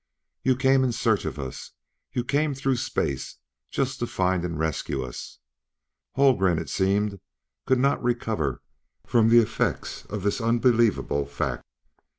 "You came in search of us you came through space just to find and rescue us!" Haldgren, it seemed, could not recover from the effects of this unbelievable fact.